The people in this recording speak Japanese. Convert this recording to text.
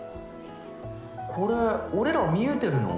これ俺ら見えてるの？